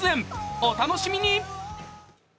お楽しみに！